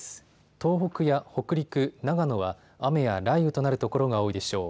東北や北陸、長野は雨や雷雨となる所が多いでしょう。